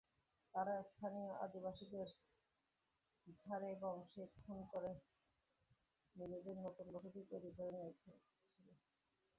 তারা স্থানীয় আদিবাসীদের ঝাড়েবংশে খুন করে নিজেদের নতুন বসতি তৈরি করে নিয়েছিল।